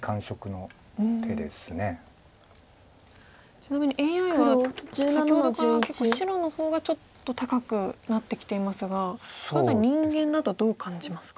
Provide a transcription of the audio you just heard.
ちなみにＡＩは先ほどから結構白の方がちょっと高くなってきていますがまだ人間だとどう感じますか？